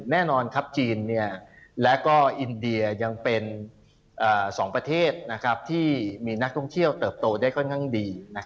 แน่นอนครับจีนและก็อินเดียยังเป็น๒ประเทศที่มีนักท่องเที่ยวเติบโตได้ค่อนข้างดี